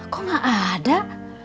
kok gak ada